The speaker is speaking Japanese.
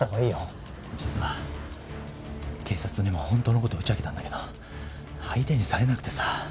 実は警察にも本当の事を打ち明けたんだけど相手にされなくてさ。